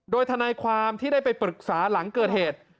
โดยทนายความที่ได้ไปปรึกษาหลังเกิดเหตุ